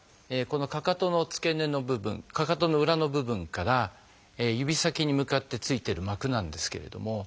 このかかとの付け根の部分かかとの裏の部分から指先に向かってついてる膜なんですけれども。